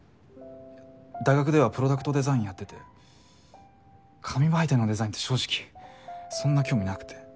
大学ではプロダクトデザインやってて紙媒体のデザインって正直そんな興味なくて。